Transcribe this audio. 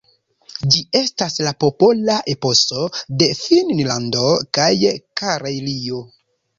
Ĝi estas la popola eposo de Finnlando kaj Karelio.